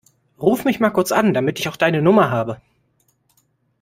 Ruf mich mal kurz an, damit ich auch deine Nummer habe.